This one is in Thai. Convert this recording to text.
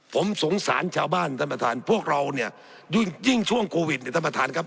ผมสงสารชาวบ้านท่านประธานพวกเราเนี่ยยิ่งช่วงโควิดเนี่ยท่านประธานครับ